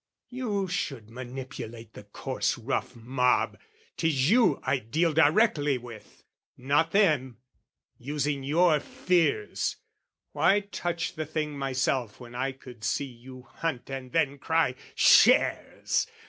You should manipulate the coarse rough mob: 'Tis you I'd deal directly with, not them, Using your fears: why touch the thing myself When I could see you hunt and then cry "Shares!